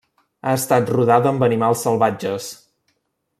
Ha estat rodada amb animals salvatges.